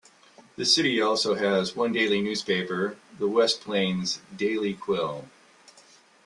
The city also has one daily newspaper, the "West Plains Daily Quill".